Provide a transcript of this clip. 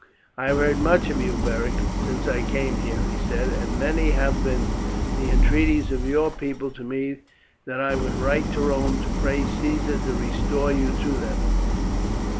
"I have heard much of you, Beric, since I came here," he said, "and many have been the entreaties of your people to me that I would write to Rome to pray Caesar to restore you to them.